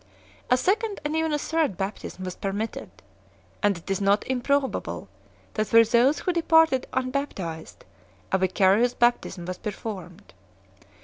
A second and even a third baptism was permitted, and it is not impro bable that for those who departed unbaptized a vicarious baptism was performed.